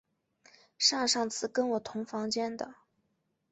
上上次跟我同房间的